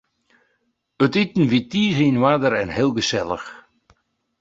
It iten wie tige yn oarder en heel gesellich.